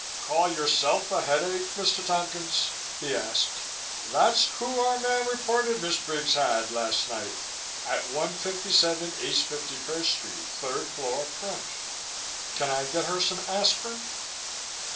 "Call yourself a headache, Mr. Tompkins?" he asked. "That's who our man reported Miss Briggs had last night at 157 East 51st Street, third floor front. Can I get her some aspirin?"